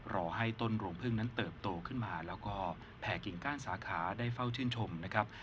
รอให้ต้นรวงพึ่งนั้นเติบโตขึ้นมาแล้วก็แผ่กิ่งก้านสาขาได้เฝ้าชื่นชมนะครับ